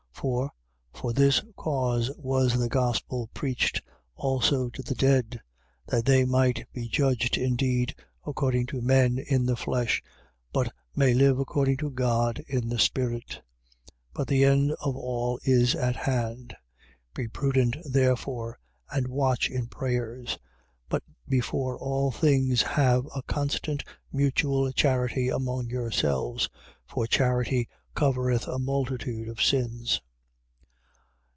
4:6. For, for this cause was the gospel preached also to the dead: That they might be judged indeed according to men, in the flesh: but may live according to God, in the Spirit. 4:7. But the end of all is at hand. Be prudent therefore and watch in prayers. 4:8. But before all things have a constant mutual charity among yourselves: for charity covereth a multitude of sins.